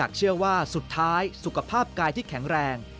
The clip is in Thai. เชื่อว่าสุดท้ายสุขภาพกายที่แข็งแรง